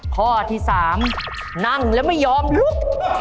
ข้อที่๓นั่งแล้วไม่ยอมลุก